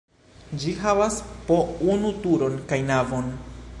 Ĝi havas po unu turon kaj navon.